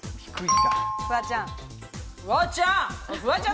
フワちゃん！